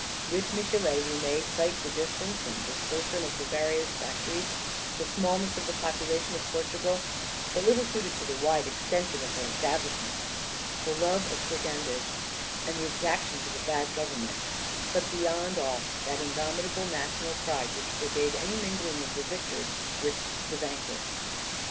With Michelet we may cite the distance and dispersion of the various factories, the smallness of the population of Portugal, but little suited to the wide extension of her establishments, the love of brigandage, and the exactions of a bad government, but beyond all, that indomitable national pride which forbade any mingling of the victors with the vanquished.